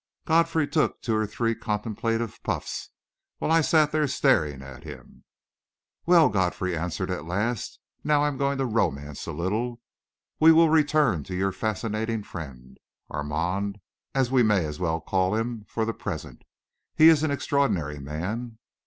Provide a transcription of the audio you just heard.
Godfrey took two or three contemplative puffs, while I sat there staring at him. "Well," Godfrey answered, at last, "now I'm going to romance a little. We will return to your fascinating friend, Armand, as we may as well call him for the present. He is an extraordinary man."